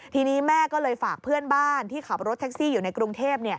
ทีนี้แม่ก็เลยฝากเพื่อนบ้านที่ขับรถแท็กซี่อยู่ในกรุงเทพ